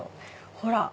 ほら！